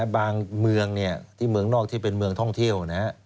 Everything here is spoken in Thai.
เมืองที่เมืองนอกที่เป็นเมืองท่องเที่ยว